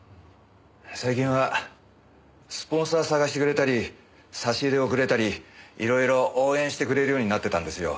最近はスポンサー探してくれたり差し入れをくれたり色々応援してくれるようになってたんですよ。